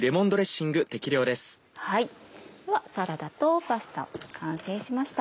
ではサラダとパスタ完成しました。